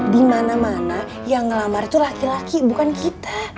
dimana mana yang ngelamar itu laki laki bukan kita